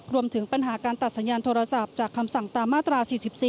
รวมถึงปัญหาการตัดสัญญาณโทรศัพท์จากคำสั่งตามมาตรา๔๔